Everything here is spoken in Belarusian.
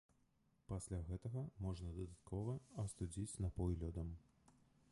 Пасля гэтага можна дадаткова астудзіць напой лёдам.